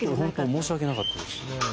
申し訳なかったです。